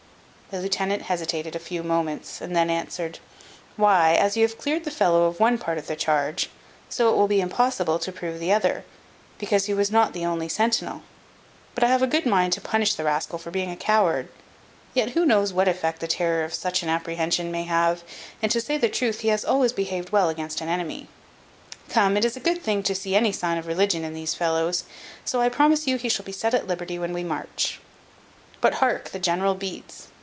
The lieutenant hesitated a few moments, and then answered: "Why, as you have cleared the fellow of one part of the charge, so it will be impossible to prove the other, because he was not the only centinel. But I have a good mind to punish the rascal for being a coward. Yet who knows what effect the terror of such an apprehension may have? and, to say the truth, he hath always behaved well against an enemy. Come, it is a good thing to see any sign of religion in these fellows; so I promise you he shall be set at liberty when we march. But hark, the general beats.